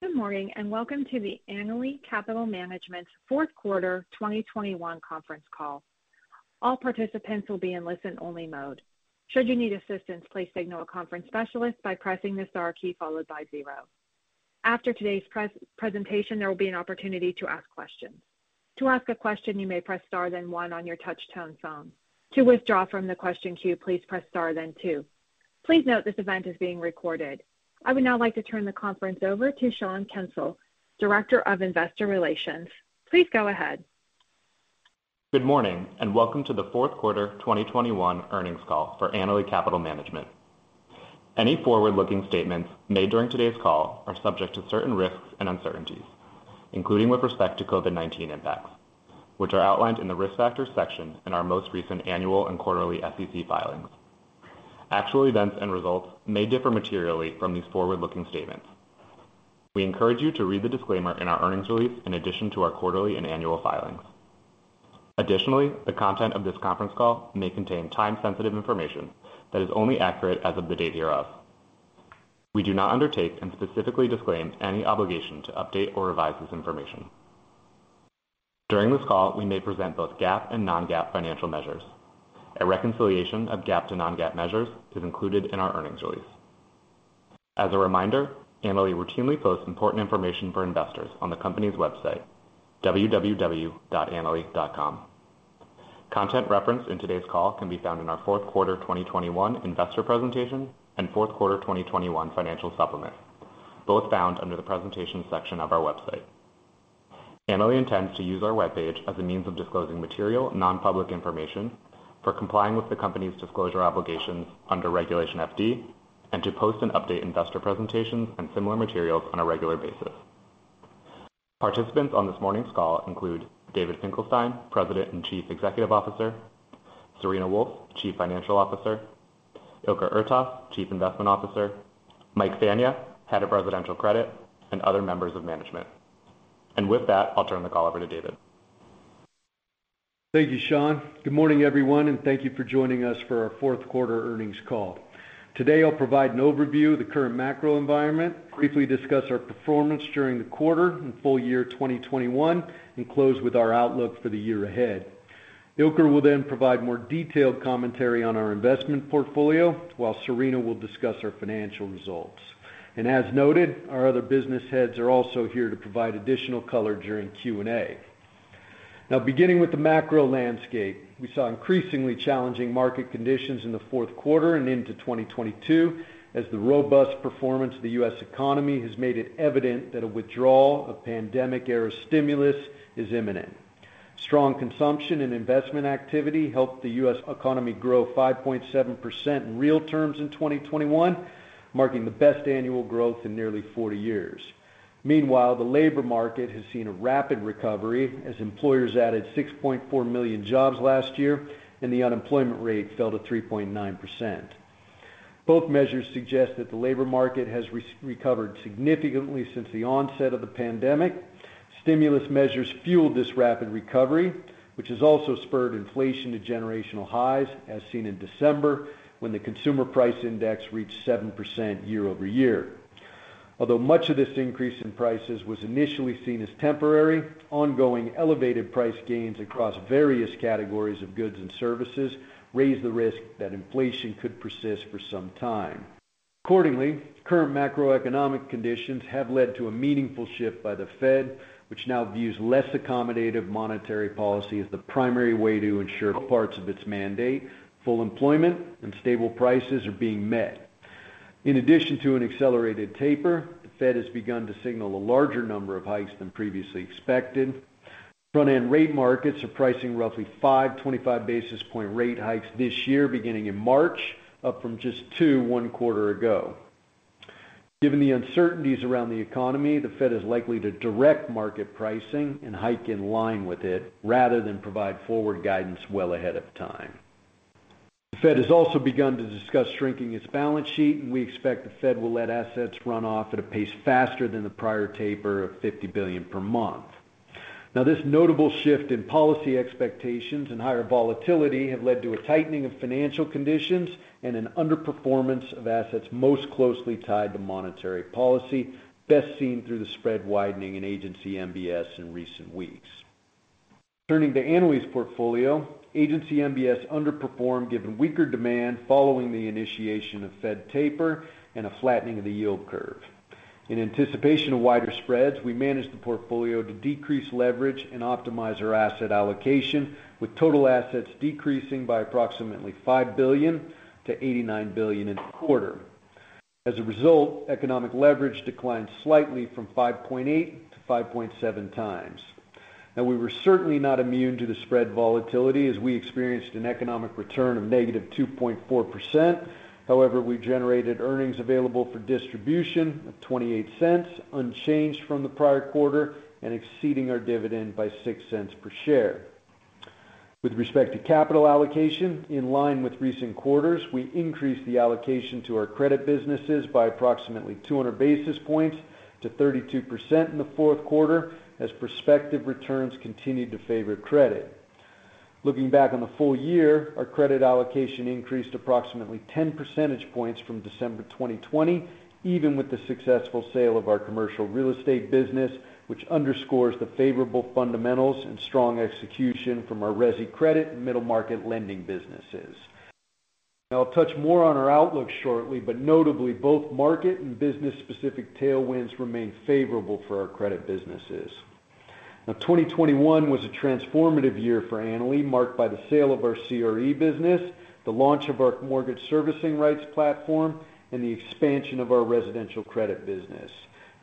Good morning, and welcome to the Annaly Capital Management's fourth quarter 2021 conference call. All participants will be in listen-only mode. Should you need assistance, please signal a conference specialist by pressing the star key followed by zero. After today's presentation, there will be an opportunity to ask questions. To ask a question, you may press star then one on your touchtone phone. To withdraw from the question queue, please press star then two. Please note this event is being recorded. I would now like to turn the conference over to Sean Kensil, Director of Investor Relations. Please go ahead. Good morning, and welcome to the fourth quarter 2021 earnings call for Annaly Capital Management. Any forward-looking statements made during today's call are subject to certain risks and uncertainties, including with respect to COVID-19 impacts, which are outlined in the Risk Factors section in our most recent annual and quarterly SEC filings. Actual events and results may differ materially from these forward-looking statements. We encourage you to read the disclaimer in our earnings release in addition to our quarterly and annual filings. Additionally, the content of this conference call may contain time-sensitive information that is only accurate as of the date hereof. We do not undertake and specifically disclaim any obligation to update or revise this information. During this call, we may present both GAAP and non-GAAP financial measures. A reconciliation of GAAP to non-GAAP measures is included in our earnings release. As a reminder, Annaly routinely posts important information for investors on the company's website, www.annaly.com. Content referenced in today's call can be found in our fourth quarter 2021 investor presentation and fourth quarter 2021 financial supplement, both found under the Presentation section of our website. Annaly intends to use our webpage as a means of disclosing material non-public information for complying with the company's disclosure obligations under Regulation FD and to post and update investor presentations and similar materials on a regular basis. Participants on this morning's call include David Finkelstein, President and Chief Executive Officer, Serena Wolfe, Chief Financial Officer, Ilker Ertas, Chief Investment Officer, Mike Fania, Head of Residential Credit, and other members of management. With that, I'll turn the call over to David. Thank you, Sean. Good morning, everyone, and thank you for joining us for our fourth quarter earnings call. Today, I'll provide an overview of the current macro environment, briefly discuss our performance during the quarter and full year 2021, and close with our outlook for the year ahead. Ilker will then provide more detailed commentary on our investment portfolio, while Serena will discuss our financial results. As noted, our other business heads are also here to provide additional color during Q&A. Now, beginning with the macro landscape, we saw increasingly challenging market conditions in the fourth quarter and into 2022 as the robust performance of the U.S. economy has made it evident that a withdrawal of pandemic-era stimulus is imminent. Strong consumption and investment activity helped the U.S. economy grow 5.7% in real terms in 2021, marking the best annual growth in nearly 40 years. Meanwhile, the labor market has seen a rapid recovery as employers added 6.4 million jobs last year and the unemployment rate fell to 3.9%. Both measures suggest that the labor market has recovered significantly since the onset of the pandemic. Stimulus measures fueled this rapid recovery, which has also spurred inflation to generational highs as seen in December when the Consumer Price Index reached 7% year-over-year. Although much of this increase in prices was initially seen as temporary, ongoing elevated price gains across various categories of goods and services raise the risk that inflation could persist for some time. Accordingly, current macroeconomic conditions have led to a meaningful shift by the Fed, which now views less accommodative monetary policy as the primary way to ensure parts of its mandate, full employment and stable prices are being met. In addition to an accelerated taper, the Fed has begun to signal a larger number of hikes than previously expected. Front-end rate markets are pricing roughly five 25-basis-point rate hikes this year, beginning in March, up from just two, one quarter ago. Given the uncertainties around the economy, the Fed is likely to direct market pricing and hike in line with it rather than provide forward guidance well ahead of time. The Fed has also begun to discuss shrinking its balance sheet, and we expect the Fed will let assets run off at a pace faster than the prior taper of $50 billion per month. Now, this notable shift in policy expectations and higher volatility have led to a tightening of financial conditions and an underperformance of assets most closely tied to monetary policy, best seen through the spread widening in Agency MBS in recent weeks. Turning to Annaly's portfolio, Agency MBS underperformed given weaker demand following the initiation of Fed taper and a flattening of the yield curve. In anticipation of wider spreads, we managed the portfolio to decrease leverage and optimize our asset allocation, with total assets decreasing by approximately $5 billion to $89 billion in the quarter. As a result, economic leverage declined slightly from 5.8 to 5.7x. Now, we were certainly not immune to the spread volatility as we experienced an economic return of -2.4%. However, we generated earnings available for distribution of $0.28, unchanged from the prior quarter and exceeding our dividend by $0.06 per share. With respect to capital allocation, in line with recent quarters, we increased the allocation to our credit businesses by approximately 200 basis points to 32% in the fourth quarter as prospective returns continued to favor credit. Looking back on the full year, our credit allocation increased approximately 10 percentage points from December 2020, even with the successful sale of our commercial real estate business, which underscores the favorable fundamentals and strong execution from our resi credit and middle market lending businesses. Now, I'll touch more on our outlook shortly, but notably both market and business specific tailwinds remain favorable for our credit businesses. Now, 2021 was a transformative year for Annaly, marked by the sale of our CRE business, the launch of our mortgage servicing rights platform, and the expansion of our residential credit business.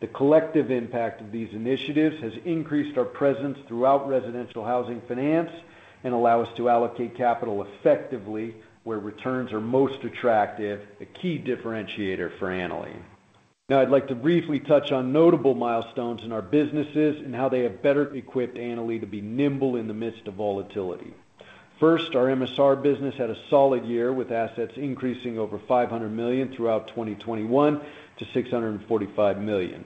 The collective impact of these initiatives has increased our presence throughout residential housing finance and allow us to allocate capital effectively where returns are most attractive, a key differentiator for Annaly. Now I'd like to briefly touch on notable milestones in our businesses and how they have better equipped Annaly to be nimble in the midst of volatility. First, our MSR business had a solid year, with assets increasing over $500 million throughout 2021 to $645 million.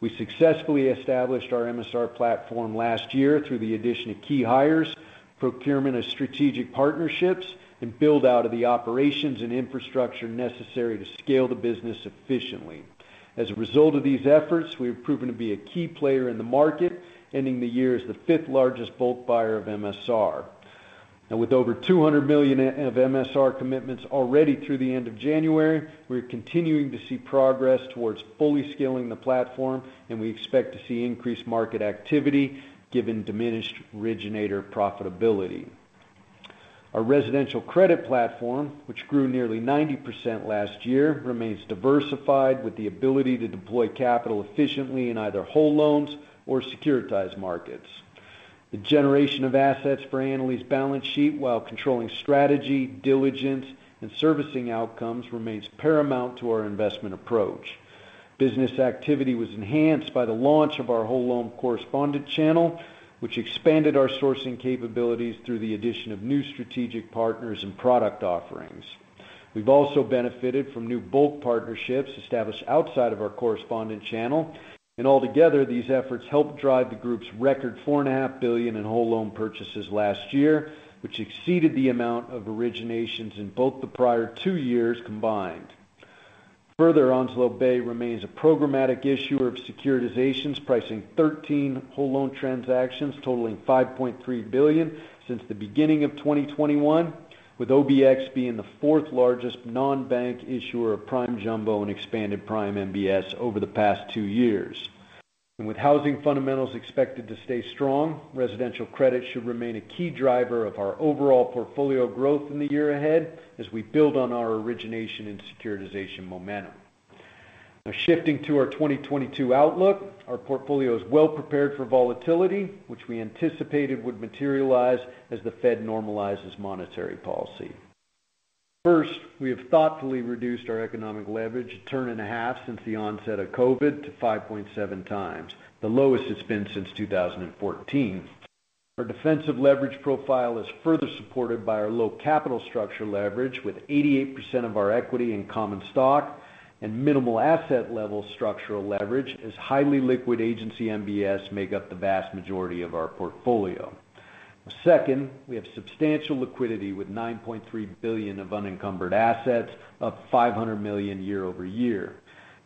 We successfully established our MSR platform last year through the addition of key hires, procurement of strategic partnerships, and build out of the operations and infrastructure necessary to scale the business efficiently. As a result of these efforts, we have proven to be a key player in the market, ending the year as the fifth-largest bulk buyer of MSR. Now with over $200 million of MSR commitments already through the end of January, we're continuing to see progress towards fully scaling the platform, and we expect to see increased market activity given diminished originator profitability. Our residential credit platform, which grew nearly 90% last year, remains diversified with the ability to deploy capital efficiently in either whole loans or securitized markets. The generation of assets for Annaly's balance sheet while controlling strategy, diligence, and servicing outcomes remains paramount to our investment approach. Business activity was enhanced by the launch of our whole loan correspondent channel, which expanded our sourcing capabilities through the addition of new strategic partners and product offerings. We've also benefited from new bulk partnerships established outside of our correspondent channel. Altogether, these efforts helped drive the group's record $4.5 billion in whole loan purchases last year, which exceeded the amount of originations in both the prior two years combined. Further, Onslow Bay remains a programmatic issuer of securitizations, pricing 13 whole loan transactions totaling $5.3 billion since the beginning of 2021, with OBX being the fourth largest non-bank issuer of prime jumbo and expanded prime MBS over the past two years. With housing fundamentals expected to stay strong, Residential Credit should remain a key driver of our overall portfolio growth in the year ahead as we build on our origination and securitization momentum. Now shifting to our 2022 outlook, our portfolio is well prepared for volatility, which we anticipated would materialize as the Fed normalizes monetary policy. First, we have thoughtfully reduced our economic leverage a turn and a half since the onset of COVID to 5.7x, the lowest it's been since 2014. Our defensive leverage profile is further supported by our low capital structure leverage with 88% of our equity in common stock and minimal asset level structural leverage as highly liquid Agency MBS make up the vast majority of our portfolio. Second, we have substantial liquidity with $9.3 billion of unencumbered assets, up $500 million year-over-year.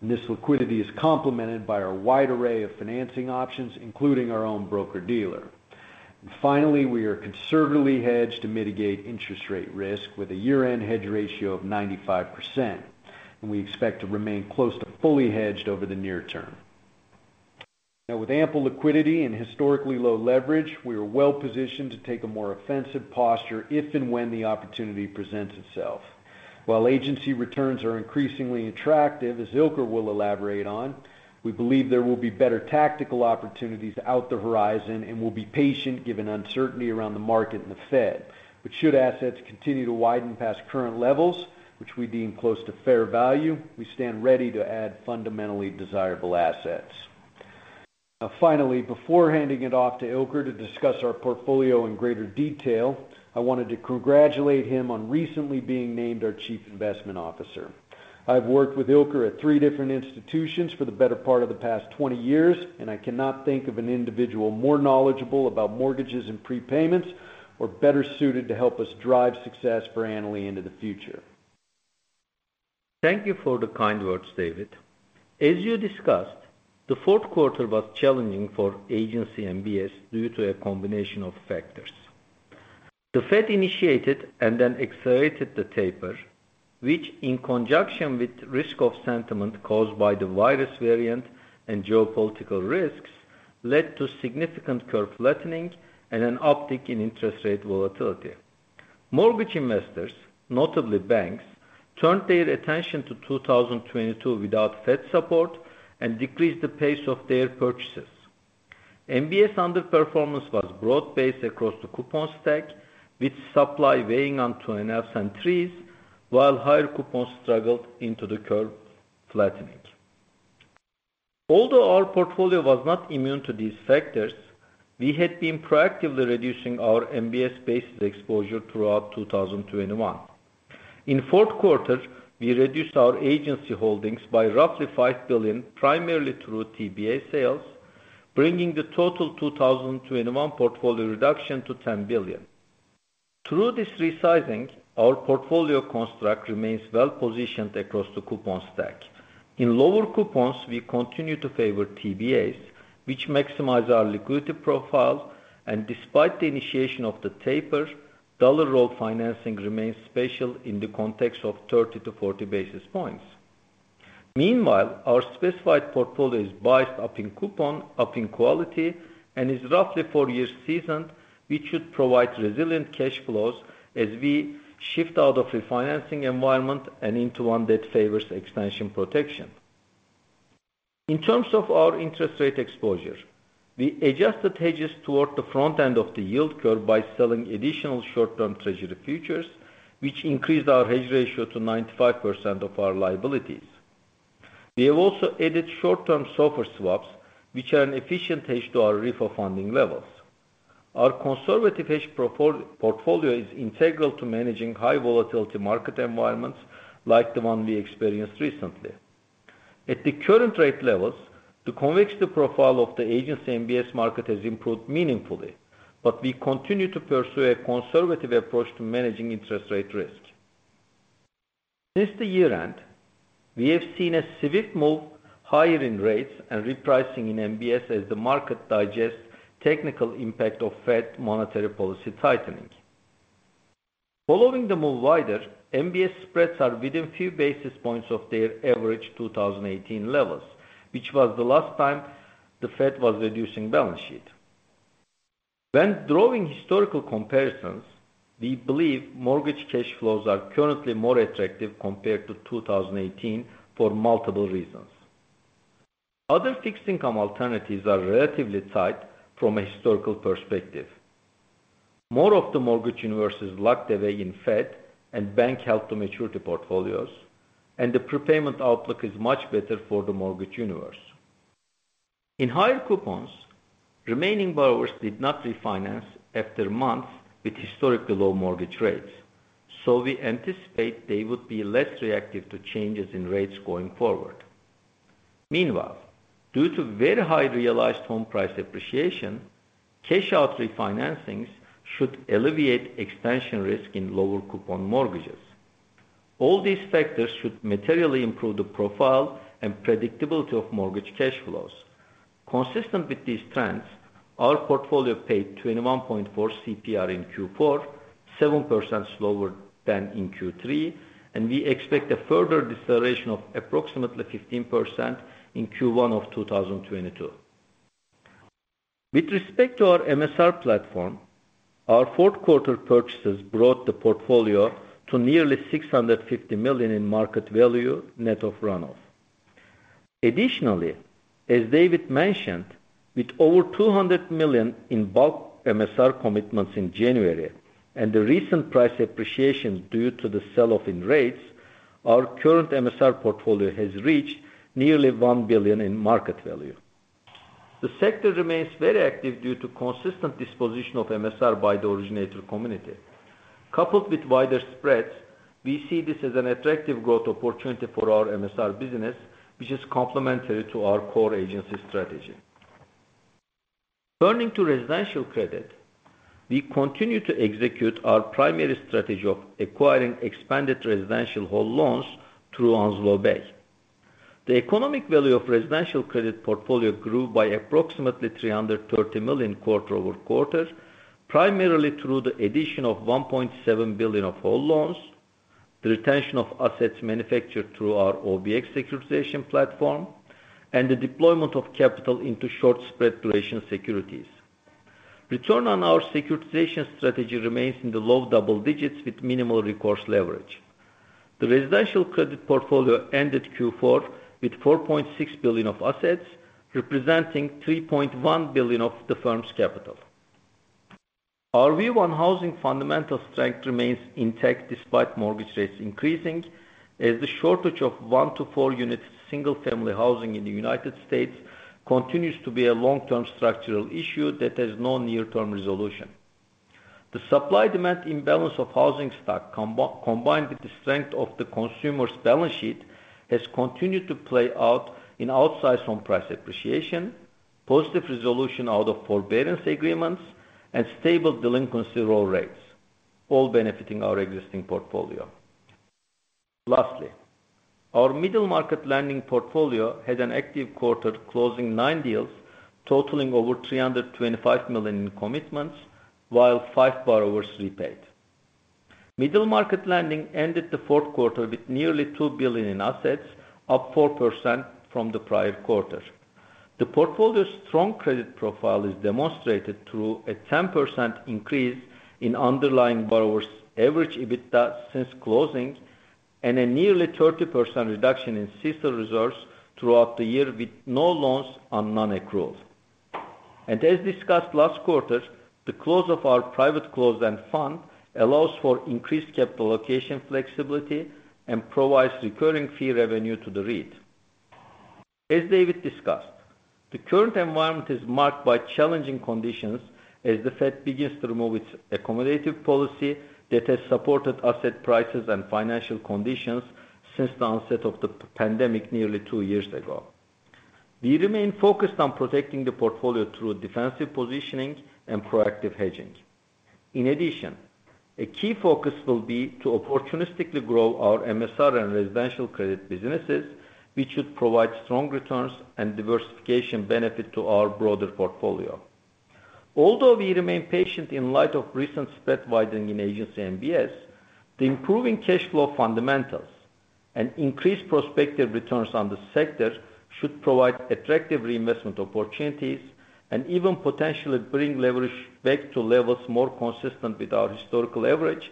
This liquidity is complemented by our wide array of financing options, including our own broker-dealer. Finally, we are conservatively hedged to mitigate interest rate risk with a year-end hedge ratio of 95%, and we expect to remain close to fully hedged over the near term. Now with ample liquidity and historically low leverage, we are well positioned to take a more offensive posture if and when the opportunity presents itself. While agency returns are increasingly attractive, as Ilker will elaborate on, we believe there will be better tactical opportunities on the horizon and will be patient given uncertainty around the market and the Fed. Should assets continue to widen past current levels, which we deem close to fair value, we stand ready to add fundamentally desirable assets. Now finally, before handing it off to Ilker to discuss our portfolio in greater detail, I wanted to congratulate him on recently being named our Chief Investment Officer. I've worked with Ilker at three different institutions for the better part of the past 20 years, and I cannot think of an individual more knowledgeable about mortgages and prepayments or better suited to help us drive success for Annaly into the future. Thank you for the kind words, David. As you discussed, the fourth quarter was challenging for Agency MBS due to a combination of factors. The Fed initiated and then accelerated the taper, which in conjunction with risk-off sentiment caused by the virus variant and geopolitical risks, led to significant curve flattening and an uptick in interest rate volatility. Mortgage investors, notably banks, turned their attention to 2022 without Fed support and decreased the pace of their purchases. MBS underperformance was broad-based across the coupon stack, with supply weighing on twos and threes, while higher coupons struggled into the curve flattening. Although our portfolio was not immune to these factors, we had been proactively reducing our MBS-based exposure throughout 2021. In fourth quarter, we reduced our agency holdings by roughly $5 billion, primarily through TBA sales, bringing the total 2021 portfolio reduction to $10 billion. Through this resizing, our portfolio construct remains well-positioned across the coupon stack. In lower coupons, we continue to favor TBAs, which maximize our liquidity profile, and despite the initiation of the taper, dollar roll financing remains special in the context of 30-40 basis points. Meanwhile, our specified portfolio is biased up in coupon, up in quality, and is roughly four years seasoned, which should provide resilient cash flows as we shift out of refinancing environment and into one that favors expansion protection. In terms of our interest rate exposure, we adjusted hedges toward the front end of the yield curve by selling additional short-term treasury futures, which increased our hedge ratio to 95% of our liabilities. We have also added short-term SOFR swaps, which are an efficient hedge to our refi funding levels. Our conservative hedge portfolio is integral to managing high volatility market environments like the one we experienced recently. At the current rate levels, the convexity profile of the Agency MBS market has improved meaningfully, but we continue to pursue a conservative approach to managing interest rate risk. Since the year-end, we have seen a swift move higher in rates and repricing in MBS as the market digests technical impact of Fed monetary policy tightenings. Following the move wider, MBS spreads are within a few basis points of their average 2018 levels, which was the last time the Fed was reducing balance sheet. When drawing historical comparisons, we believe mortgage cash flows are currently more attractive compared to 2018 for multiple reasons. Other fixed income alternatives are relatively tight from a historical perspective. More of the mortgage universe is locked away in Fed and bank held to maturity portfolios, and the prepayment outlook is much better for the mortgage universe. In higher coupons, remaining borrowers did not refinance after months with historically low mortgage rates, so we anticipate they would be less reactive to changes in rates going forward. Meanwhile, due to very high realized home price appreciation, cash-out refinancings should alleviate extension risk in lower coupon mortgages. All these factors should materially improve the profile and predictability of mortgage cash flows. Consistent with these trends, our portfolio paid 21.4 CPR in Q4, 7% slower than in Q3, and we expect a further deceleration of approximately 15% in Q1 of 2022. With respect to our MSR platform, our fourth quarter purchases brought the portfolio to nearly $650 million in market value net of runoff. Additionally, as David mentioned, with over $200 million in bulk MSR commitments in January and the recent price appreciation due to the sell-off in rates, our current MSR portfolio has reached nearly $1 billion in market value. The sector remains very active due to consistent disposition of MSR by the originator community. Coupled with wider spreads, we see this as an attractive growth opportunity for our MSR business, which is complementary to our core agency strategy. Turning to Residential Credit, we continue to execute our primary strategy of acquiring expanded residential whole loans through Onslow Bay. The economic value of Residential Credit portfolio grew by approximately $330 million quarter-over-quarter, primarily through the addition of $1.7 billion of whole loans, the retention of assets manufactured through our OBX securitization platform, and the deployment of capital into short spread duration securities. Return on our securitization strategy remains in the low double digits with minimal recourse leverage. The Residential Credit portfolio ended Q4 with $4.6 billion of assets, representing $3.1 billion of the firm's capital. Our view on housing fundamental strength remains intact despite mortgage rates increasing, as the shortage of 1-4 unit single-family housing in the U.S. continues to be a long-term structural issue that has no near-term resolution. The supply-demand imbalance of housing stock combined with the strength of the consumer's balance sheet has continued to play out in outsized home price appreciation, positive resolution out of forbearance agreements, and stable delinquency roll rates, all benefiting our existing portfolio. Lastly, our middle market lending portfolio had an active quarter closing 9 deals totaling over $325 million in commitments while five borrowers repaid. Middle market lending ended the fourth quarter with nearly $2 billion in assets, up 4% from the prior quarter. The portfolio's strong credit profile is demonstrated through a 10% increase in underlying borrowers' average EBITDA since closing and a nearly 30% reduction in CECL reserves throughout the year with no loans on non-accrual. As discussed last quarter, the close of our private closed-end fund allows for increased capital allocation flexibility and provides recurring fee revenue to the REIT. As David discussed, the current environment is marked by challenging conditions as the Fed begins to remove its accommodative policy that has supported asset prices and financial conditions since the onset of the pandemic nearly two years ago. We remain focused on protecting the portfolio through defensive positioning and proactive hedging. In addition, a key focus will be to opportunistically grow our MSR and Residential Credit businesses, which should provide strong returns and diversification benefit to our broader portfolio. Although we remain patient in light of recent spread widening in Agency MBS, the improving cash flow fundamentals and increased prospective returns on the sector should provide attractive reinvestment opportunities and even potentially bring leverage back to levels more consistent with our historical average,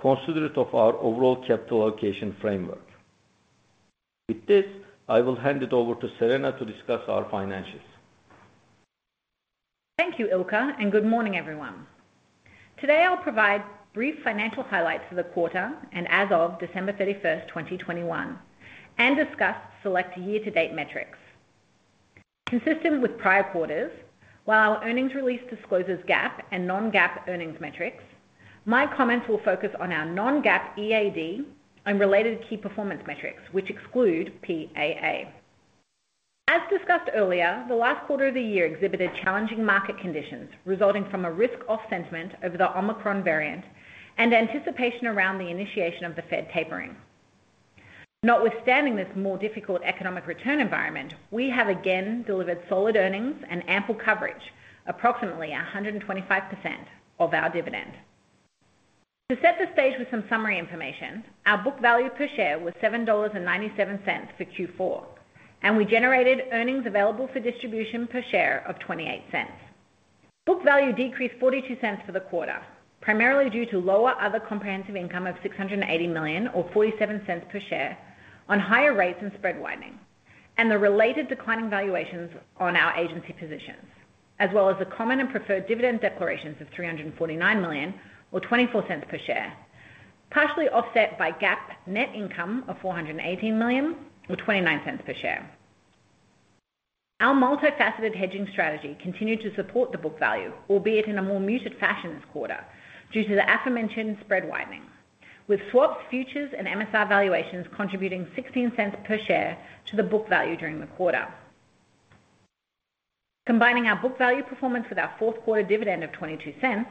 considerate of our overall capital allocation framework. With this, I will hand it over to Serena to discuss our financials. Thank you, Ilker, and good morning, everyone. Today, I'll provide brief financial highlights for the quarter and as of December 31, 2021, and discuss select year-to-date metrics. Consistent with prior quarters, while our earnings release discloses GAAP and non-GAAP earnings metrics, my comments will focus on our non-GAAP EAD and related key performance metrics, which exclude PAA. As discussed earlier, the last quarter of the year exhibited challenging market conditions resulting from a risk-off sentiment over the Omicron variant and anticipation around the initiation of the Fed tapering. Notwithstanding this more difficult economic return environment, we have again delivered solid earnings and ample coverage, approximately 125% of our dividend. To set the stage with some summary information, our book value per share was $7.97 for Q4, and we generated earnings available for distribution per share of $0.28. Book value decreased $0.42 for the quarter, primarily due to lower other comprehensive income of $680 million or $0.47 per share on higher rates and spread widening, and the related declining valuations on our agency positions, as well as the common and preferred dividend declarations of $349 million or $0.24 per share, partially offset by GAAP net income of $418 million or $0.29 per share. Our multifaceted hedging strategy continued to support the book value, albeit in a more muted fashion this quarter due to the aforementioned spread widening, with swaps, futures, and MSR valuations contributing $0.16 per share to the book value during the quarter. Combining our book value performance with our fourth quarter dividend of $0.22,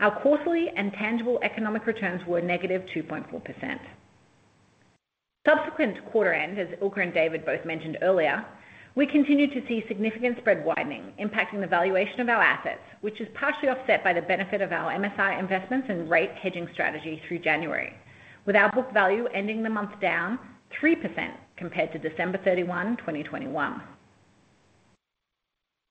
our quarterly and tangible economic returns were -2.4%. Subsequent to quarter end, as Ilker and David both mentioned earlier, we continued to see significant spread widening impacting the valuation of our assets, which is partially offset by the benefit of our MSR investments and rate hedging strategy through January, with our book value ending the month down 3% compared to December 31, 2021.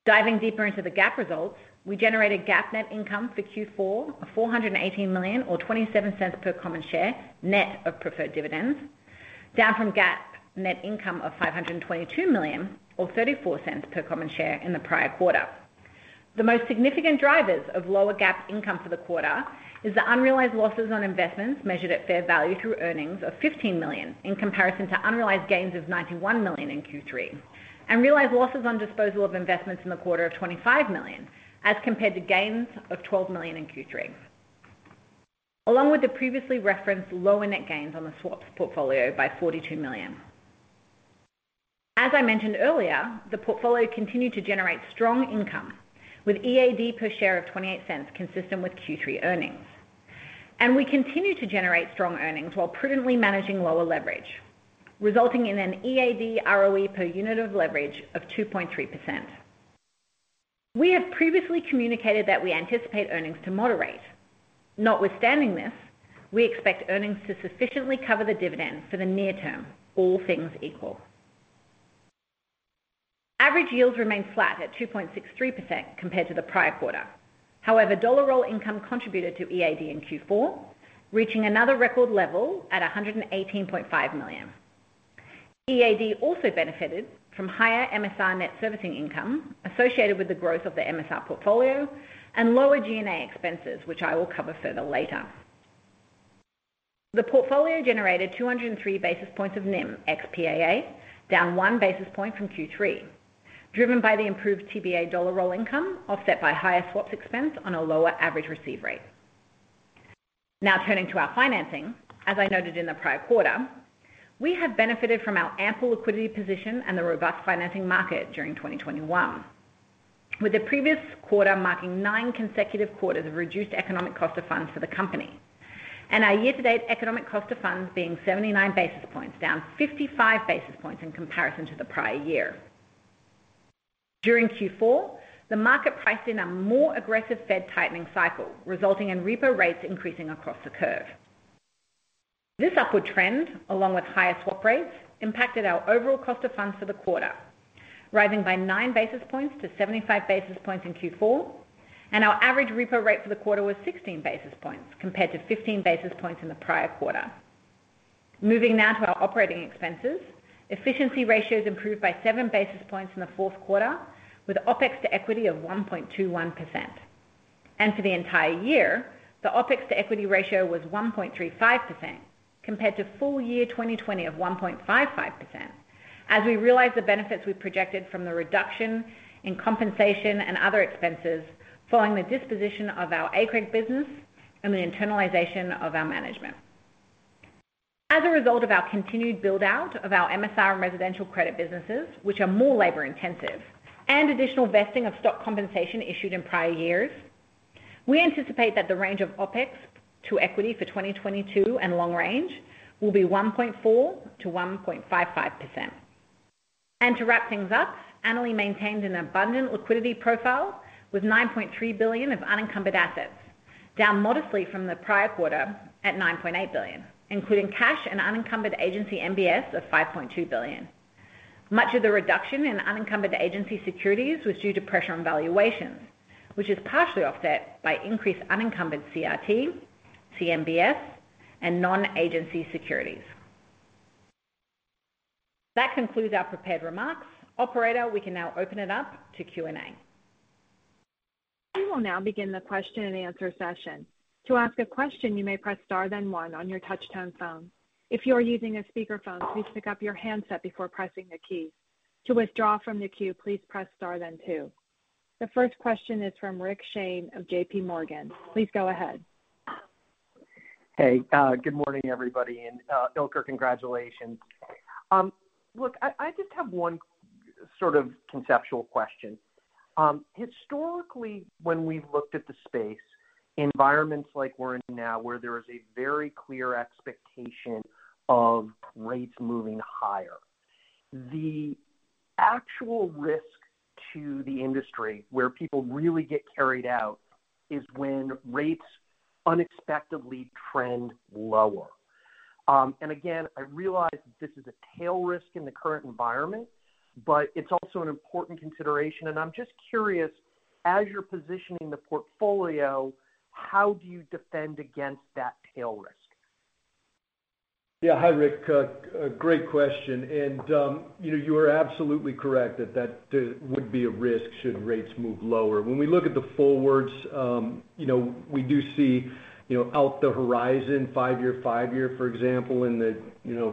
Diving deeper into the GAAP results, we generated GAAP net income for Q4 of $418 million or $0.27 per common share net of preferred dividends, down from GAAP net income of $522 million or $0.34 per common share in the prior quarter. The most significant drivers of lower GAAP income for the quarter is the unrealized losses on investments measured at fair value through earnings of $15 million in comparison to unrealized gains of $91 million in Q3, and realized losses on disposal of investments in the quarter of $25 million as compared to gains of $12 million in Q3, along with the previously referenced lower net gains on the swaps portfolio by $42 million. As I mentioned earlier, the portfolio continued to generate strong income with EAD per share of $0.28 consistent with Q3 earnings. We continue to generate strong earnings while prudently managing lower leverage, resulting in an EAD ROE per unit of leverage of 2.3%. We have previously communicated that we anticipate earnings to moderate. Notwithstanding this, we expect earnings to sufficiently cover the dividend for the near term, all things equal. Average yields remained flat at 2.63% compared to the prior quarter. However, dollar roll income contributed to EAD in Q4, reaching another record level at $118.5 million. EAD also benefited from higher MSR net servicing income associated with the growth of the MSR portfolio and lower G&A expenses, which I will cover further later. The portfolio generated 203 basis points of NIM ex PAA, down 1 basis point from Q3, driven by the improved TBA dollar roll income offset by higher swaps expense on a lower average receive rate. Now turning to our financing, as I noted in the prior quarter, we have benefited from our ample liquidity position and the robust financing market during 2021, with the previous quarter marking nine consecutive quarters of reduced economic cost of funds for the company. Our year-to-date economic cost of funds being 79 basis points, down 55 basis points in comparison to the prior year. During Q4, the market priced in a more aggressive Fed tightening cycle, resulting in repo rates increasing across the curve. This upward trend, along with higher swap rates, impacted our overall cost of funds for the quarter, rising by 9 basis points to 75 basis points in Q4, and our average repo rate for the quarter was 16 basis points compared to 15 basis points in the prior quarter. Moving now to our operating expenses, efficiency ratios improved by seven basis points in the fourth quarter with OPEX to equity of 1.21%. For the entire year, the OPEX to equity ratio was 1.35% compared to full year 2020 of 1.55%, as we realized the benefits we projected from the reduction in compensation and other expenses following the disposition of our ACRE business and the internalization of our management. As a result of our continued build-out of our MSR and Residential Credit businesses, which are more labor-intensive and additional vesting of stock compensation issued in prior years, we anticipate that the range of OPEX to equity for 2022 and long range will be 1.4%-1.55%. To wrap things up, Annaly maintained an abundant liquidity profile with $9.3 billion of unencumbered assets, down modestly from the prior quarter at $9.8 billion, including cash and unencumbered Agency MBS of $5.2 billion. Much of the reduction in unencumbered Agency securities was due to pressure on valuations, which is partially offset by increased unencumbered CRT, CMBS, and non-agency securities. That concludes our prepared remarks. Operator, we can now open it up to Q&A. We will now begin the question-and-answer session. To ask a question, you may press star then one on your touchtone phone. If you are using a speakerphone please pick up your handset before pressing a key to withdraw from the queue please press star then two The first question is from Rick Shane of JPMorgan. Please go ahead. Hey, good morning, everybody. Ilker, congratulations. Look, I just have one sort of conceptual question. Historically, when we've looked at the space, environments like we're in now, where there is a very clear expectation of rates moving higher, the actual risk to the industry where people really get carried out is when rates unexpectedly trend lower. I realize this is a tail risk in the current environment, but it's also an important consideration. I'm just curious, as you're positioning the portfolio, how do you defend against that tail risk? Yeah. Hi, Rick. A great question. You know, you are absolutely correct that would be a risk should rates move lower. When we look at the forwards, you know, we do see, you know, over the horizon, five-year, for example, in the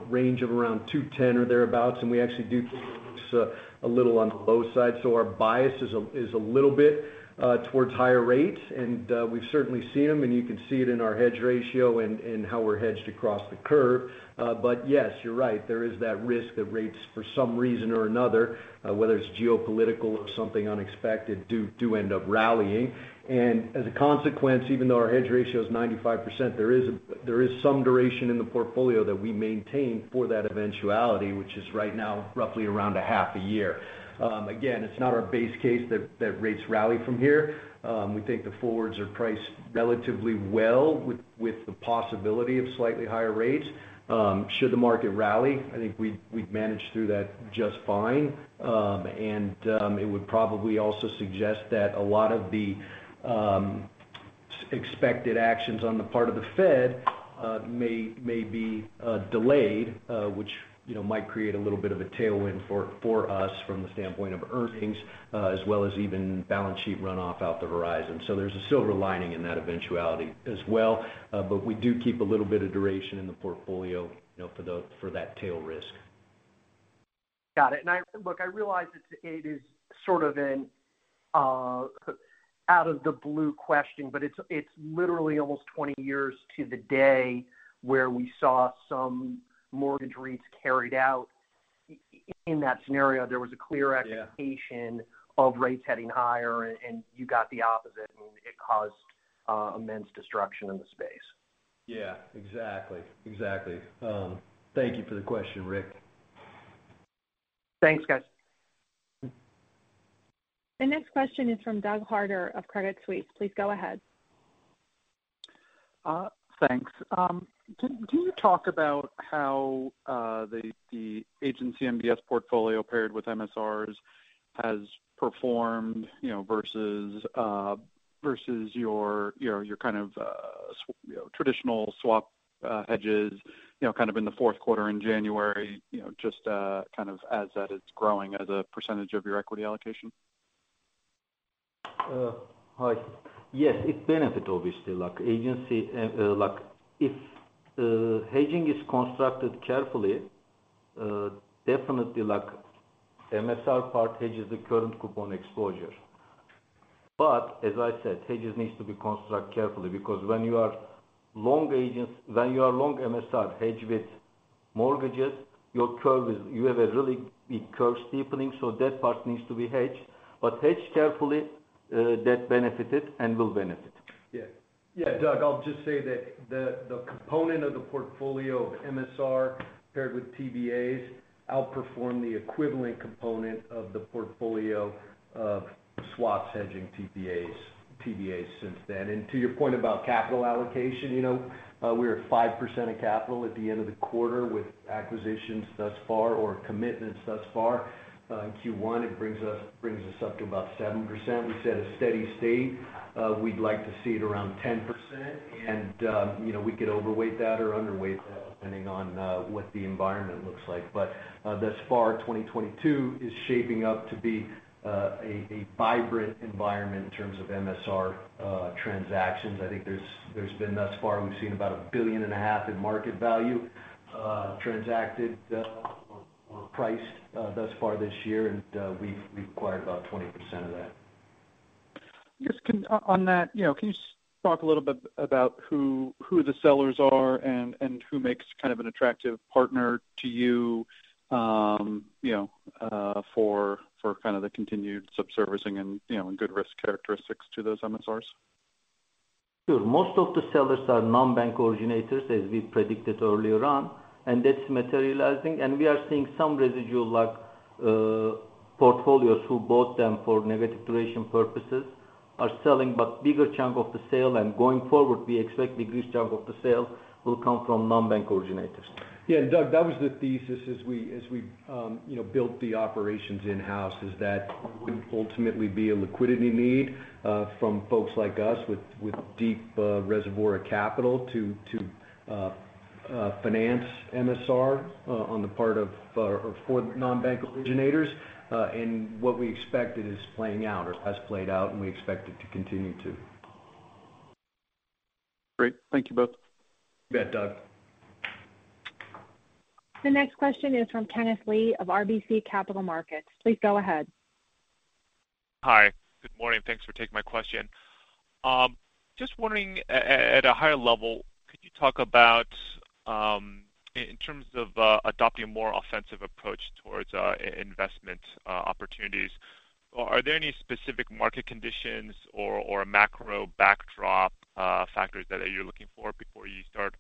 range of around 2.10 or thereabouts, and we actually do think it's a little on the low side. Our bias is a little bit towards higher rates, and we've certainly seen them, and you can see it in our hedge ratio and how we're hedged across the curve. Yes, you're right. There is that risk that rates for some reason or another, whether it's geopolitical or something unexpected, do end up rallying. As a consequence, even though our hedge ratio is 95%, there is some duration in the portfolio that we maintain for that eventuality, which is right now roughly around half a year. Again, it's not our base case that rates rally from here. We think the forwards are priced relatively well with the possibility of slightly higher rates. Should the market rally, I think we'd manage through that just fine. It would probably also suggest that a lot of the expected actions on the part of the Fed may be delayed, which, you know, might create a little bit of a tailwind for us from the standpoint of earnings, as well as even balance sheet runoff out the horizon. There's a silver lining in that eventuality as well. We do keep a little bit of duration in the portfolio, you know, for that tail risk. Got it. Look, I realize it is sort of an out of the blue question, but it's literally almost 20 years to the day where we saw some mortgage rates carried out. In that scenario, there was a clear expectation- Yeah. of rates heading higher and you got the opposite, and it caused immense destruction in the space. Yeah, exactly. Thank you for the question, Rick. Thanks, guys. The next question is from Doug Harter of Credit Suisse. Please go ahead. Thanks. Can you talk about how the Agency MBS portfolio paired with MSRs has performed, you know, versus your kind of traditional swap hedges, you know, kind of in the fourth quarter in January, you know, just kind of as that is growing as a percentage of your equity allocation? Hi. Yes. It benefits, obviously, like agency, like if hedging is constructed carefully, definitely like MSR part hedges the current coupon exposure. As I said, hedges need to be constructed carefully because when you are long MSR hedge with mortgages, you have a really big curve steepening, so that part needs to be hedged. Hedge carefully, that benefited and will benefit. Doug, I'll just say that the component of the portfolio of MSR paired with TBAs outperformed the equivalent component of the portfolio of swaps hedging TBAs since then. To your point about capital allocation, we're at 5% of capital at the end of the quarter with acquisitions thus far or commitments thus far. In Q1, it brings us up to about 7%. We said a steady state. We'd like to see it around 10%. We could overweight that or underweight that depending on what the environment looks like. Thus far, 2022 is shaping up to be a vibrant environment in terms of MSR transactions. I think there's been, thus far, we've seen about $1.5 billion in market value transacted or priced thus far this year. We've acquired about 20% of that. Just on that, you know, can you talk a little bit about who the sellers are and who makes kind of an attractive partner to you know, for kind of the continued subservicing and, you know, and good risk characteristics to those MSRs? Sure. Most of the sellers are non-bank originators, as we predicted earlier on, and that's materializing. We are seeing some residual, like, portfolios who bought them for negative duration purposes are selling, but bigger chunk of the sale and going forward, we expect the biggest chunk of the sale will come from non-bank originators. Yeah. Doug Harter, that was the thesis as we, you know, built the operations in-house, is that there would ultimately be a liquidity need from folks like us with deep reservoir of capital to finance MSR on the part of or for non-bank originators. What we expected is playing out or has played out, and we expect it to continue to. Great. Thank you both. You bet, Doug. The next question is from Kenneth Lee of RBC Capital Markets. Please go ahead. Hi. Good morning. Thanks for taking my question. Just wondering, at a higher level, could you talk about, in terms of, adopting a more offensive approach towards, investment, opportunities, are there any specific market conditions or a macro backdrop, factors that you're looking for before you start,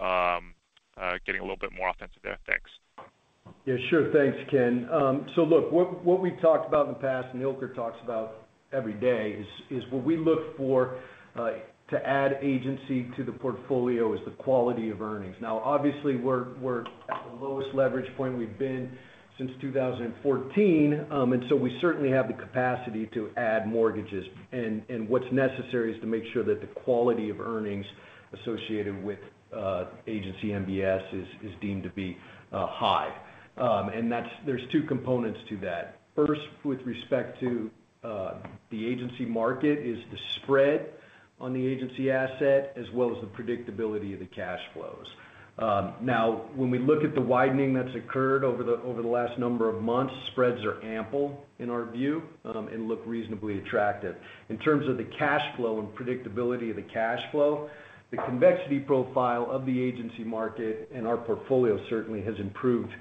getting a little bit more offensive there? Thanks. Yeah, sure. Thanks, Ken. Look, what we've talked about in the past and Ilker talks about every day is what we look for to add agency to the portfolio is the quality of earnings. Now, obviously, we're at the lowest leverage point we've been since 2014, and we certainly have the capacity to add mortgages. What's necessary is to make sure that the quality of earnings associated with agency MBS is deemed to be high. That's there are two components to that. First, with respect to the agency market, is the spread on the agency asset as well as the predictability of the cash flows. Now when we look at the widening that's occurred over the last number of months, spreads are ample in our view, and look reasonably attractive. In terms of the cash flow and predictability of the cash flow, the convexity profile of the Agency market and our portfolio certainly has improved,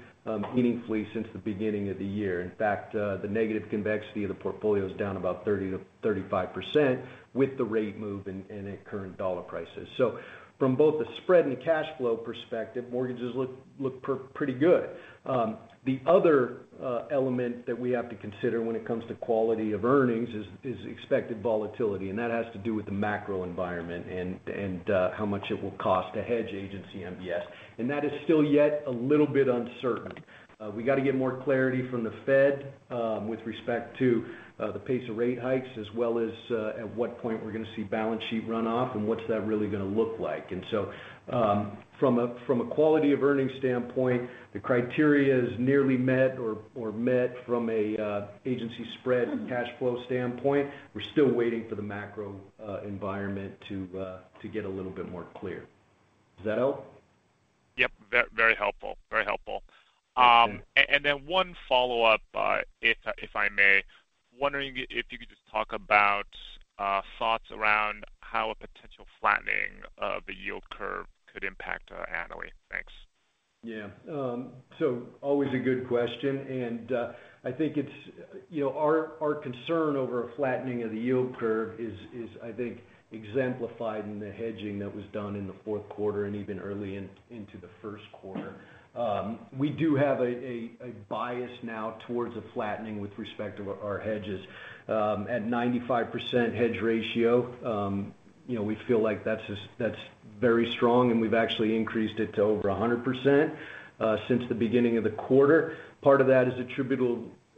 meaningfully since the beginning of the year. In fact, the negative convexity of the portfolio is down about 30%-35% with the rate move and at current dollar prices. So from both the spread and the cash flow perspective, mortgages look pretty good. The other element that we have to consider when it comes to quality of earnings is expected volatility, and that has to do with the macro environment and how much it will cost to hedge Agency MBS. That is still yet a little bit uncertain. We gotta get more clarity from the Fed with respect to the pace of rate hikes, as well as at what point we're gonna see balance sheet runoff and what's that really gonna look like. From a quality-of-earnings standpoint, the criteria is nearly met or met from a agency spread cash flow standpoint. We're still waiting for the macro environment to get a little bit more clear. Does that help? Yep. Very helpful. Thanks, Ken. One follow-up, if I may. Wondering if you could just talk about thoughts around how a potential flattening of the yield curve could impact Annaly. Thanks. Yeah. So always a good question, and I think it's, you know, our concern over a flattening of the yield curve is, I think, exemplified in the hedging that was done in the fourth quarter and even early into the first quarter. We do have a bias now towards a flattening with respect to our hedges. At 95% hedge ratio, you know, we feel like that's just, that's very strong, and we've actually increased it to over 100% since the beginning of the quarter. Part of that is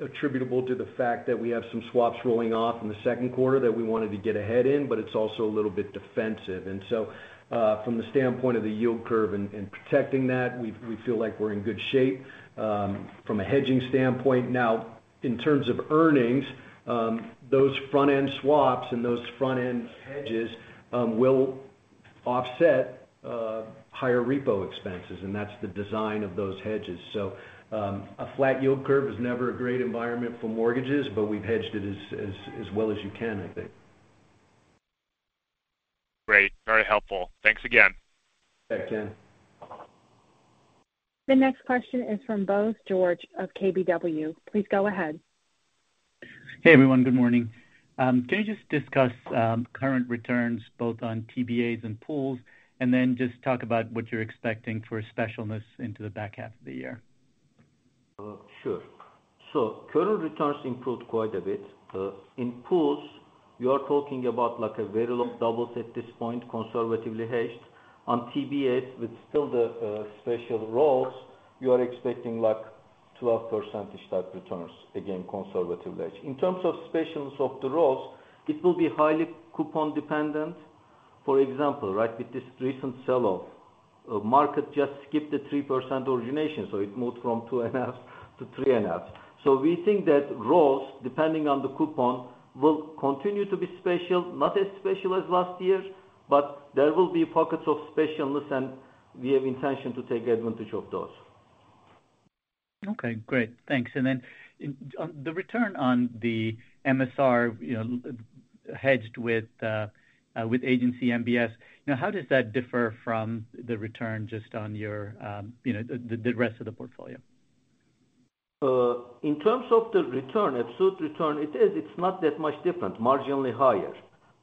attributable to the fact that we have some swaps rolling off in the second quarter that we wanted to get ahead in, but it's also a little bit defensive. From the standpoint of the yield curve and protecting that, we feel like we're in good shape from a hedging standpoint. Now, in terms of earnings, those front-end swaps and those front-end hedges will offset higher repo expenses, and that's the design of those hedges. A flat yield curve is never a great environment for mortgages, but we've hedged it as well as you can, I think. Great. Very helpful. Thanks again. Thanks, Ken. The next question is from Bose George of KBW. Please go ahead. Hey, everyone. Good morning. Can you just discuss current returns both on TBAs and pools, and then just talk about what you're expecting for specialness into the back half of the year? Current returns improved quite a bit. In pools, you are talking about like a very low double at this point, conservatively hedged. On TBAs with the special rolls, you are expecting like 12% type returns, again, conservatively hedged. In terms of specials of the rolls, it will be highly coupon dependent. For example, with this recent sell-off, market just skipped the 3% origination, so it moved from 2.5% to 3.5%. We think that rolls, depending on the coupon, will continue to be special, not as special as last year, but there will be pockets of specialness, and we have intention to take advantage of those. Okay, great. Thanks. On the return on the MSR, you know, hedged with Agency MBS. Now how does that differ from the return just on your, you know, the rest of the portfolio? In terms of the return, absolute return, it's not that much different, marginally higher.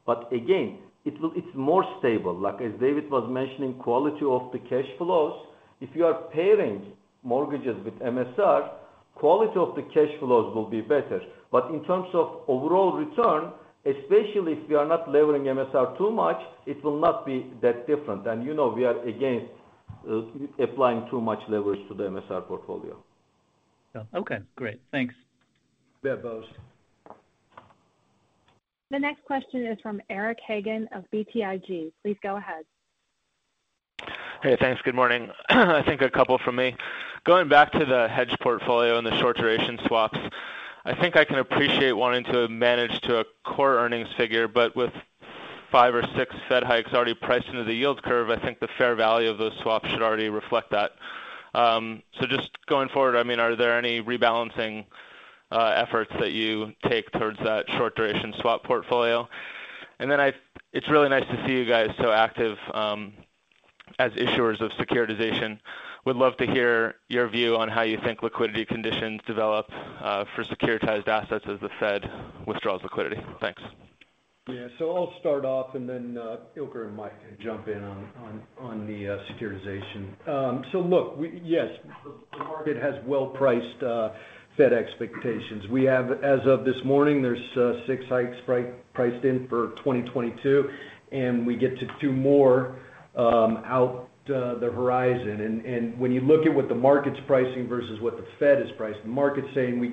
But again, it's more stable. Like, as David was mentioning, quality of the cash flows. If you are pairing mortgages with MSR, quality of the cash flows will be better. But in terms of overall return, especially if you are not levering MSR too much, it will not be that different. You know we are against applying too much leverage to the MSR portfolio. Yeah. Okay, great. Thanks. Yeah, Bose. The next question is from Eric Hagen of BTIG. Please go ahead. Hey, thanks. Good morning. I think a couple from me. Going back to the hedge portfolio and the short duration swaps, I think I can appreciate wanting to manage to a core earnings figure, but with five or six Fed hikes already priced into the yield curve, I think the fair value of those swaps should already reflect that. Just going forward, I mean, are there any rebalancing efforts that you take towards that short duration swap portfolio? Then it's really nice to see you guys so active as issuers of securitization. Would love to hear your view on how you think liquidity conditions develop for securitized assets as the Fed withdraws liquidity. Thanks. Yeah. I'll start off, and then Ilker and Mike can jump in on the securitization. Look, yes, the market has well-priced Fed expectations. We have as of this morning, there is six hikes priced in for 2022, and we get to do more out the horizon. When you look at what the market's pricing versus what the Fed is pricing, the market's saying we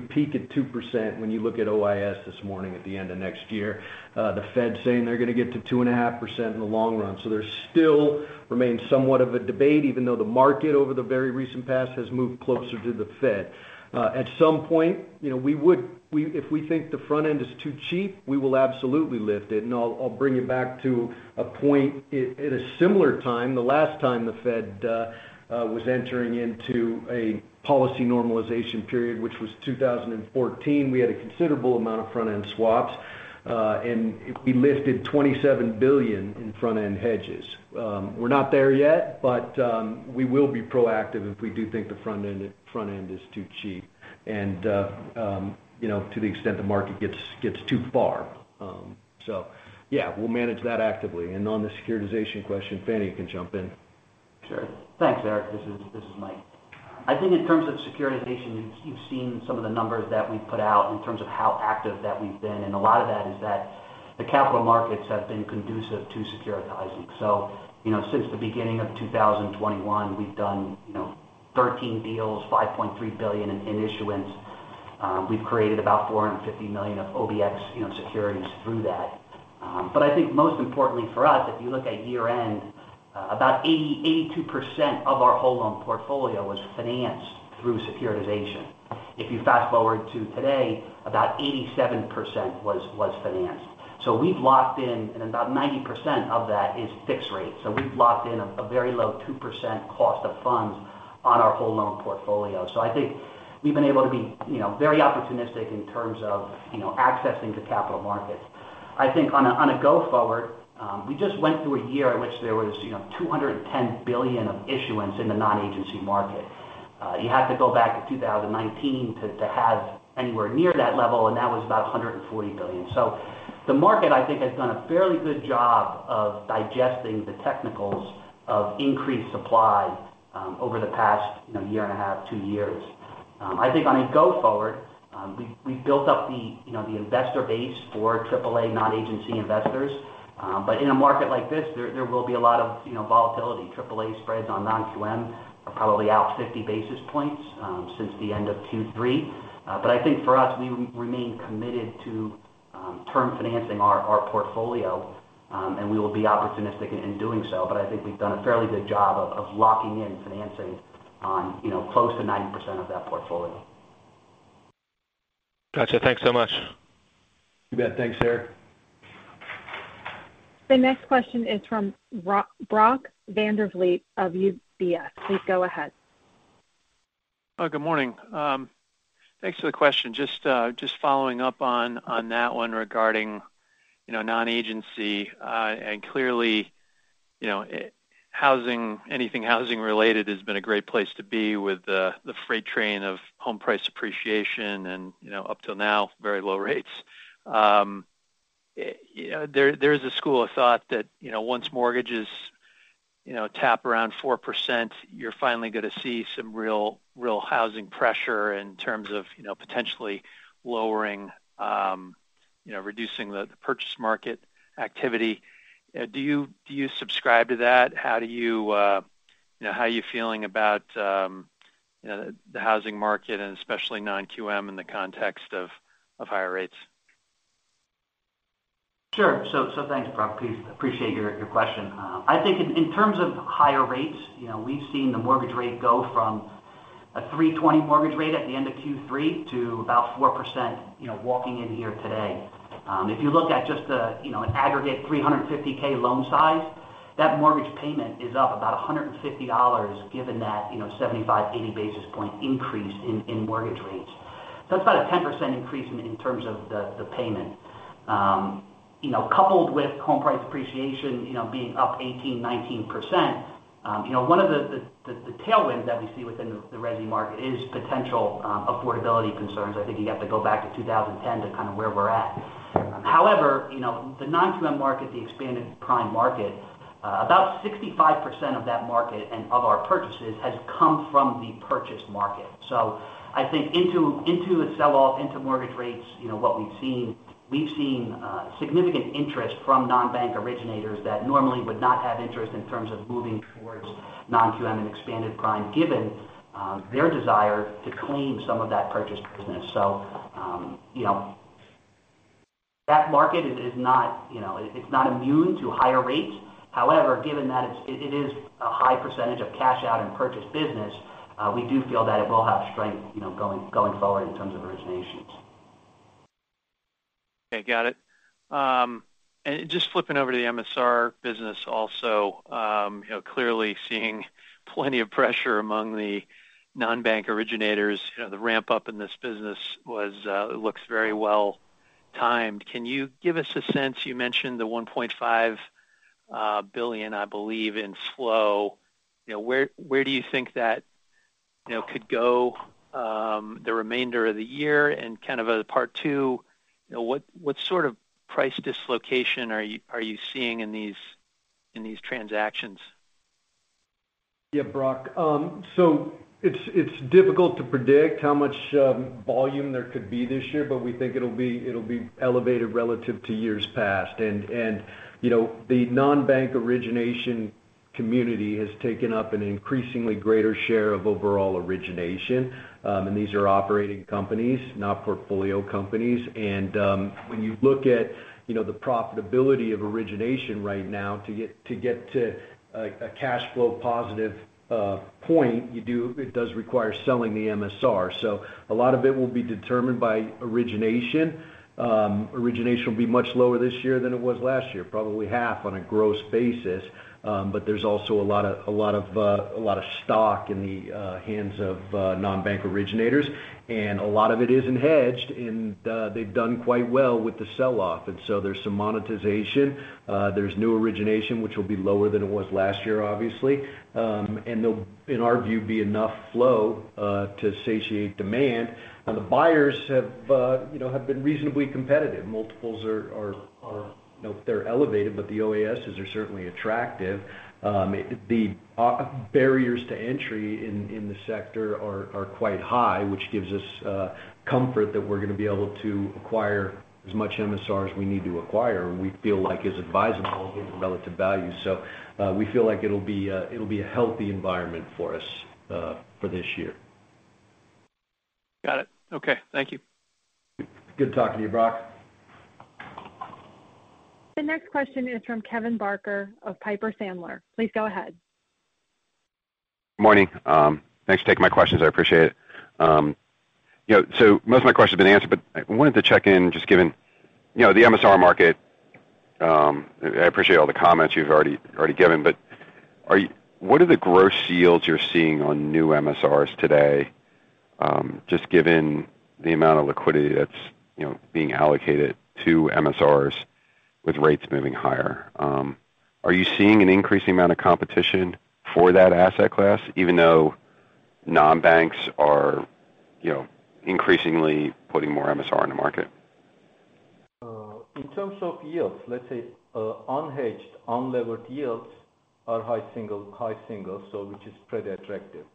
peak at 2% when you look at OIS this morning at the end of next year. The Fed's saying they're going to get to 2.5% in the long run. There still remains somewhat of a debate, even though the market over the very recent past has moved closer to the Fed. At some point, you know, if we think the front end is too cheap, we will absolutely lift it. I'll bring you back to a point in a similar time. The last time the Fed was entering into a policy normalization period, which was 2014, we had a considerable amount of front-end swaps, and we lifted $27 billion in front-end hedges. We're not there yet, but we will be proactive if we do think the front end is too cheap and, you know, to the extent the market gets too far. Yeah, we'll manage that actively. On the securitization question, Fania can jump in. Sure. Thanks, Eric. This is Mike. I think in terms of securitization, you've seen some of the numbers that we've put out in terms of how active that we've been, and a lot of that is that the capital markets have been conducive to securitizing. You know, since the beginning of 2021, we've done, you know, 13 deals, $5.3 billion in issuance. We've created about $450 million of OBX, you know, securities through that. But I think most importantly for us, if you look at year-end, about 82% of our whole loan portfolio was financed through securitization. If you fast-forward to today, about 87% was financed. We've locked in, and about 90% of that is fixed rate. We've locked in a very low 2% cost of funds on our whole loan portfolio. I think we've been able to be, you know, very opportunistic in terms of, you know, accessing the capital markets. I think on a go-forward, we just went through a year in which there was, you know, $210 billion of issuance in the non-agency market. You have to go back to 2019 to have anywhere near that level, and that was about $140 billion. The market, I think, has done a fairly good job of digesting the technicals of increased supply over the past, you know, year and a half, two years. I think on a go-forward, we've built up the, you know, the investor base for AAA non-agency investors. In a market like this, there will be a lot of, you know, volatility. AAA spreads on non-QM are probably out fifty basis points since the end of Q3. I think for us, we remain committed to term financing our portfolio, and we will be opportunistic in doing so. I think we've done a fairly good job of locking in financing on, you know, close to 90% of that portfolio. Got you. Thanks so much. You bet. Thanks, Eric. The next question is from Brock Vandervliet of UBS. Please go ahead. Oh, good morning. Thanks for the question. Just following up on that one regarding, you know, non-agency. Clearly, you know, housing, anything housing related has been a great place to be with the freight train of home price appreciation and, you know, up till now, very low rates. There is a school of thought that, you know, once mortgages, you know, tap around 4%, you're finally going to see some real housing pressure in terms of, you know, potentially lowering, you know, reducing the purchase market activity. Do you subscribe to that? How do you know, how are you feeling about, you know, the housing market and especially non-QM in the context of higher rates? Sure. Thanks, Brock. Appreciate your question. I think in terms of higher rates, you know, we've seen the mortgage rate go from a 3.20 mortgage rate at the end of Q3 to about 4%, you know, walking in here today. If you look at an aggregate $350K loan size That mortgage payment is up about $150 given that, you know, 75-80 basis point increase in mortgage rates. That's about a 10% increase in terms of the payment. You know, coupled with home price appreciation, you know, being up 18%-19%, you know, one of the tailwinds that we see within the resi market is potential affordability concerns. I think you have to go back to 2010 to kind of where we're at. However, you know, the non-QM market, the expanded prime market, about 65% of that market and of our purchases has come from the purchase market. I think into the sell-off into mortgage rates, you know what we've seen, we've seen significant interest from non-bank originators that normally would not have interest in terms of moving towards non-QM and expanded prime, given their desire to claim some of that purchase business. You know, that market is not, you know, it's not immune to higher rates. However, given that it is a high percentage of cash out and purchase business, we do feel that it will have strength, you know, going forward in terms of originations. Okay, got it. Just flipping over to the MSR business also, you know, clearly seeing plenty of pressure among the non-bank originators. You know, the ramp-up in this business was looks very well-timed. Can you give us a sense. You mentioned the $1.5 billion, I believe, in flow. You know, where do you think that, you know, could go the remainder of the year? Kind of a part two, you know, what sort of price dislocation are you seeing in these transactions? Yeah, Brock. So it's difficult to predict how much volume there could be this year, but we think it'll be elevated relative to years past. You know, the non-bank origination community has taken up an increasingly greater share of overall origination. These are operating companies, not portfolio companies. When you look at, you know, the profitability of origination right now to get to a cash flow positive point, it does require selling the MSR. A lot of it will be determined by origination. Origination will be much lower this year than it was last year, probably half on a gross basis. But there's also a lot of stock in the hands of non-bank originators, and a lot of it isn't hedged, and they've done quite well with the sell-off. There's some monetization. There's new origination, which will be lower than it was last year, obviously. There'll, in our view, be enough flow to satiate demand. The buyers have, you know, have been reasonably competitive. Multiples are, you know, they're elevated, but the OASs are certainly attractive. The barriers to entry in the sector are quite high, which gives us comfort that we're gonna be able to acquire as much MSR as we need to acquire, and we feel it is advisable given the relative value. We feel like it'll be a healthy environment for us for this year. Got it. Okay. Thank you. Good talking to you, Brock. The next question is from Kevin Barker of Piper Sandler. Please go ahead. Morning. Thanks for taking my questions. I appreciate it. You know, most of my questions have been answered, but I wanted to check in, just given, you know, the MSR market. I appreciate all the comments you've already given, but what are the gross yields you're seeing on new MSRs today, just given the amount of liquidity that's, you know, being allocated to MSRs with rates moving higher? Are you seeing an increasing amount of competition for that asset class, even though non-banks are, you know, increasingly putting more MSR in the market? In terms of yields, let's say, unhedged, unlevered yields are high single, which is pretty attractive.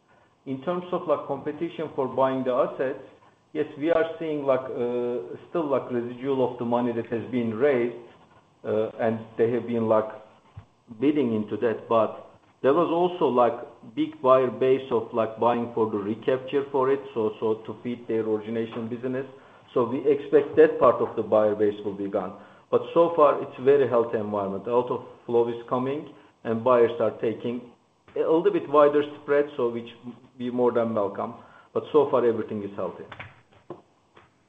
In terms of like competition for buying the assets, yes, we are seeing like, still like residual of the money that has been raised, and they have been like bidding into that. There was also like big buyer base of like buying for the recapture for it, to feed their origination business. We expect that part of the buyer base will be gone. So far, it's very healthy environment. A lot of flow is coming and buyers are taking a little bit wider spread, which be more than welcome. So far, everything is healthy.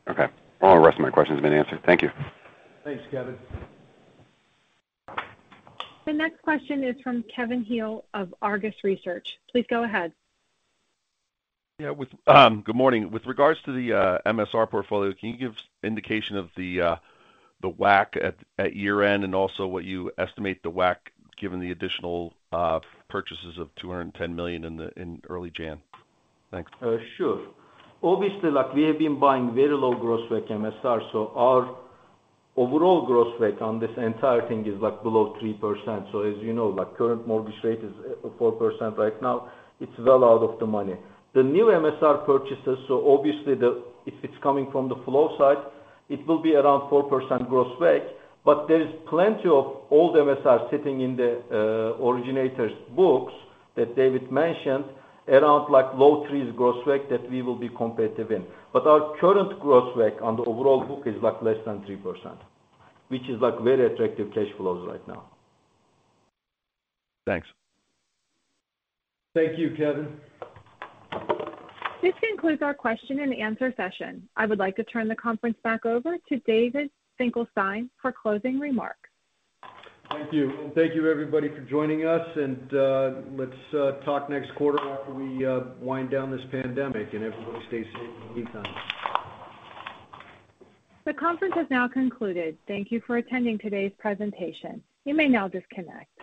Okay. Well, the rest of my questions have been answered. Thank you. Thanks, Kevin. The next question is from Kevin Heal of Argus Research. Please go ahead. Good morning. With regards to the MSR portfolio, can you give indication of the WAC at year-end and also what you estimate the WAC, given the additional purchases of $210 million in early January? Thanks. Sure. Obviously, like we have been buying very low gross WAC MSR, so our overall gross WAC on this entire thing is like below 3%. As you know, like current mortgage rate is 4% right now. It's well out of the money. The new MSR purchases, obviously if it's coming from the flow side, it will be around 4% gross WAC. There is plenty of old MSR sitting in the originator's books that David mentioned around like low 3s gross WAC that we will be competitive in. Our current gross WAC on the overall book is like less than 3%, which is like very attractive cash flows right now. Thanks. Thank you, Kevin. This concludes our question-and-answer session. I would like to turn the conference back over to David Finkelstein for closing remarks. Thank you. Thank you, everybody, for joining us. Let's talk next quarter after we wind down this pandemic. Everybody stay safe in the meantime. The conference has now concluded. Thank you for attending today's presentation. You may now disconnect.